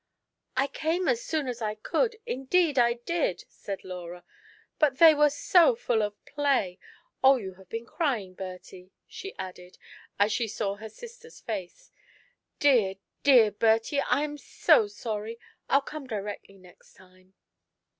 " I came as soon as I could — indeed I did," said Laura ;" but they were so full of play. Oh, you have been crying, Bertie !" she added, as she saw her sister's face ;" dear, dear Bertie — I am so sorry — I'll come directly next time